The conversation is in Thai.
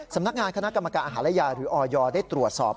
สำนักงานคณะกรรมการอาหารและยาหรือออยได้ตรวจสอบ